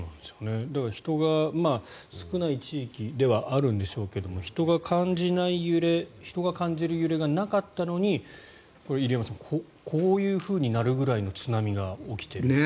人が少ない地域ではあるんでしょうけども人が感じない揺れ人が感じる揺れがなかったのに入山さんこういうふうになるぐらいの津波が起きているという。